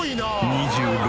２６